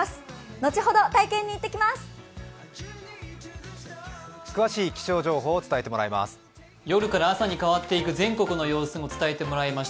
後ほど体験に行ってきます！